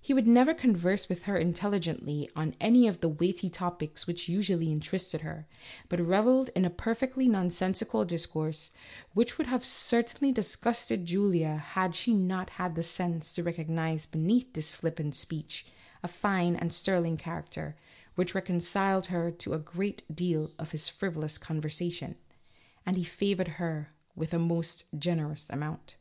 He never would converse with her intelligently on any of the weighty topics which usually inter ested her, but revelled in a perfectly nonsensical discourse, which would have certainly disgusted Julia had she not had the sense to recognize beneath this flippant speech, a fine and sterling character, which reconciled her to a great deal of his frivolous con versation (and he favored her with a most generous amount).